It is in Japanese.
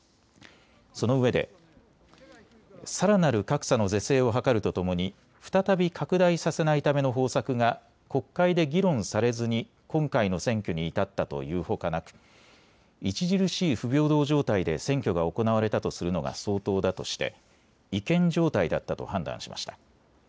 そのうえでさらなる格差の是正を図るとともに再び拡大させないための方策が国会で議論されずに今回の選挙に至ったというほかなく著しい不平等状態で選挙が行われたとするのが相当だとして違憲状態だったと判断しました。